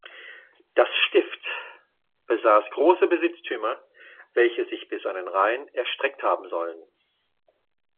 Das Stift besaß große Besitztümer, welche sich bis an den Rhein erstreckt haben sollen.